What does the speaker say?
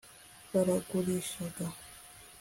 Bagurishaga